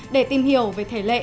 để tìm hiểu về thể lệ